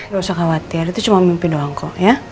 gak usah khawatir itu cuma mimpin doang kok ya